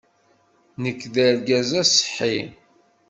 Nekk d argaz aṣeḥḥi.